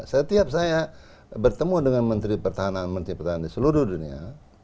setiap saya bertemu dengan menteri pertahanan menteri pertahanan di seluruh dunia